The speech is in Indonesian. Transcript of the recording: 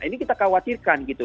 ini kita khawatirkan gitu